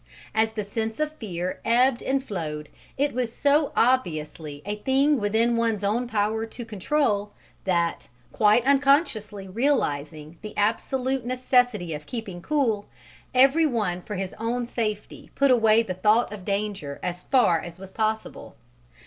As the sense of fear ebbed and flowed, it was so obviously a thing within one's own power to control, that, quite unconsciously realizing the absolute necessity of keeping cool, every one for his own safety put away the thought of danger as far as was possible.